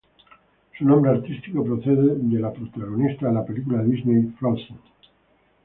Su nombre artístico procede de la protagonista de la película de Disney "Frozen".